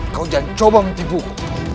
kau jangan coba mencintai aku